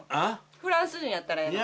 フランス人やったらええの？